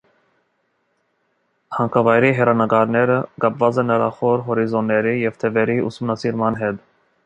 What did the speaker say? Հանքավայրի հեռանկարները կապված են նրա խոր հորիզոնների և թևերի ուսումնասիրման հետ։